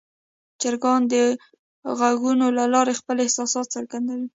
چرګان د غږونو له لارې خپل احساسات څرګندوي.